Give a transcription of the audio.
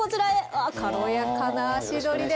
あ軽やかな足取りで。